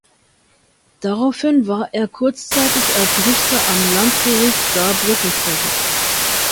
Daraufhin war er kurzzeitig als Richter am Landgericht Saarbrücken tätig.